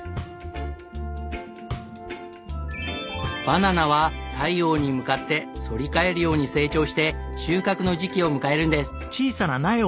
バナナは太陽に向かって反り返るように成長して収穫の時期を迎えるんです。